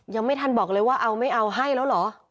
ยังไม่ทันบอกเลยว่าเอาไม่เอาให้แล้วเหรอ